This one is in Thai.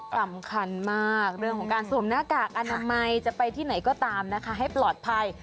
สำคัญมากเรื่องของการสวมหน้ากากอนามัยจะไปที่ไหนก็ตามนะคะให้ปลอดภัย